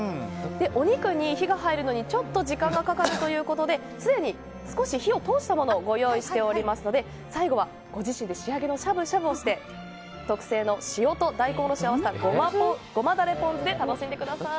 お肉に火が入るのにちょっと時間がかかるということですでに少し火を通したものをご用意しておりますので最後はご自身で仕上げのしゃぶしゃぶをして特製の塩と大根おろしを合わせたごまだれポン酢で楽しんでください。